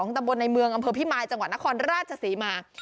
ตำบลในเมืองอำเภอพิมายจังหวัดนครราชศรีมา